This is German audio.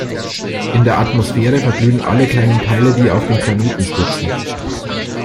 In der Atmosphäre verglühen alle kleinen Teile, die auf den Planeten stürzen.